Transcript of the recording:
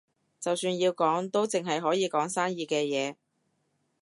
就算要講，都淨係可以講生意嘅嘢